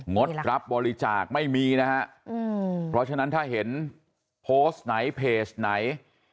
ดรับบริจาคไม่มีนะฮะเพราะฉะนั้นถ้าเห็นโพสต์ไหนเพจไหน